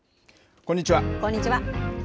こんにちは。